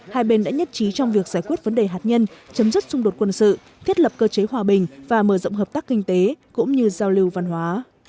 hai bên đã nhất trí trong việc giải quyết vấn đề hạt nhân chấm dứt xung đột quân sự thiết lập cơ chế hòa bình và mở rộng hợp tác kinh tế cũng như giao lưu văn hóa